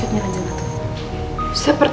adikku berdua harus berdua